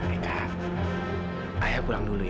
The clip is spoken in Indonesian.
ayah pulang dulu ya